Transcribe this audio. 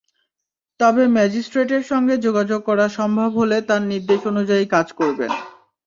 তবে ম্যাজিস্ট্রেটের সঙ্গে যোগাযোগ করা সম্ভব হলে তাঁর নির্দেশ অনুযায়ী কাজ করবেন।